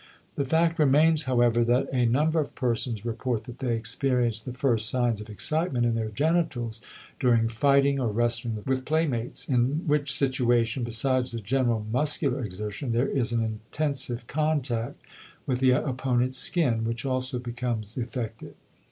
The fact remains, however, that a number of persons report that they experienced the first signs of excitement in their genitals during fighting or wrestling with playmates, in which situation, besides the general muscular exertion, there is an intensive contact with the opponent's skin which also becomes effective.